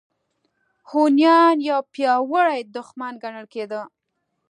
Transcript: هونیان یو پیاوړی دښمن ګڼل کېده.